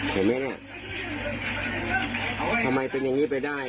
เห็นมั้ยเน่ะทำไมเป็นอย่างงี้ไปได้อ่ะ